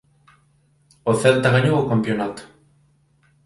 O Celta gañou o campionato